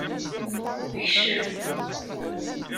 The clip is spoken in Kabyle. Ekcem!